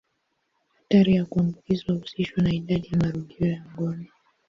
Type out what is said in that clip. Hatari ya kuambukizwa huhusishwa na idadi ya marudio ya ngono.